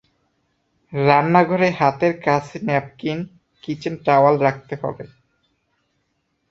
রান্নাঘরে হাতের কাছে ন্যাপকিন, কিচেন টাওয়াল রাখতে হবে।